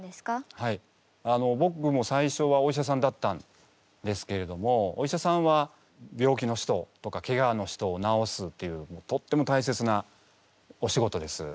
はいぼくも最初はお医者さんだったんですけれどもお医者さんは病気の人とかけがの人を治すっていうとっても大切なお仕事です。